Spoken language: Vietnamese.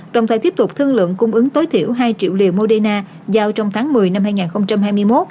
đồng thời tiếp tục thương lượng cung ứng tối thiểu hai triệu liều moderna giao trong tháng một mươi năm hai nghìn hai mươi một